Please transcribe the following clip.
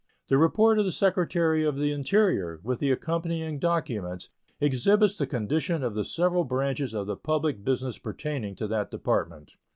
The report of the Secretary of the Interior, with the accompanying documents, exhibits the condition of the several branches of the public business pertaining to that Department.